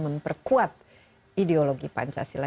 memperkuat ideologi pancasila